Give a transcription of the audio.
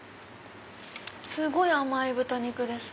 すごい甘い豚肉です。